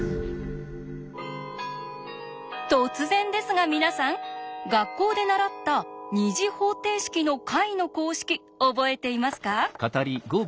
突然ですが皆さん学校で習った２次方程式の解の公式おぼえていますか？